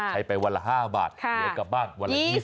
ไปวันละ๕บาทเหลือกลับบ้านวันละ๒๐